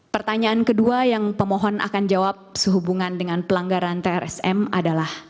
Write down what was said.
pertanyaan kedua yang pemohon akan jawab sehubungan dengan pelanggaran trsm adalah